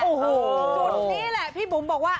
สูตรนี้แหละพี่บุ๋มบอกว่า